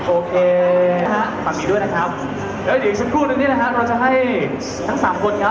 โอเคฟังมีด้วยนะครับเดี๋ยวอีกชุดคู่หนึ่งเราจะให้ทั้งสามคนครับ